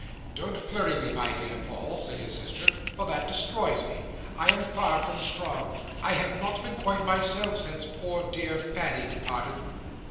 "Don't flurry me, my dear Paul," said his sister; "for that destroys me. I am far from strong. I have not been quite myself, since poor dear Fanny departed."